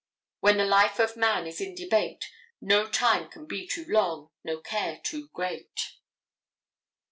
When the life of man is in debate No time can be too long, no care too great.